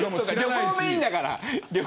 旅行メーンだから。